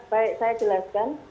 baik saya jelaskan